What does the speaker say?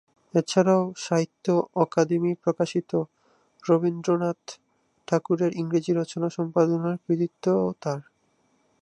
এ ছাড়াও সাহিত্য অকাদেমি প্রকাশিত রবীন্দ্রনাথ ঠাকুরের ইংরেজি রচনা সম্পাদনার কৃতিত্ব-ও তার।